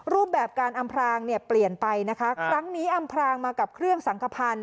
รูปแบบการอำพรางเนี่ยเปลี่ยนไปนะคะครั้งนี้อำพรางมากับเครื่องสังขพันธ์